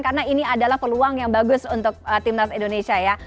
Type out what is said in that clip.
karena ini adalah peluang yang bagus untuk timnas indonesia ya